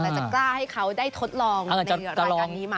จะกล้าให้เขาได้ทดลองในรายการนี้มา